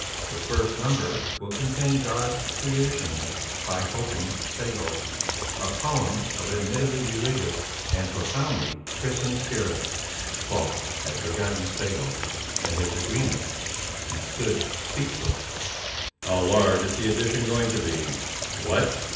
The first number will contain 'God's Creation,' by Hokan Spegel, a poem of an admittedly religious and profoundly Christian spirit." Falk had forgotten Spegel and his agreement; he stood speechless. "How large is the edition going to be? What?